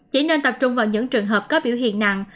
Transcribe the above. chỉ nên tập trung vào những trường hợp có biểu hiện nặng